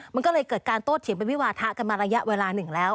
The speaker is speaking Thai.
มันก็เลยเกิดการโต้เถียงเป็นวิวาทะกันมาระยะเวลาหนึ่งแล้ว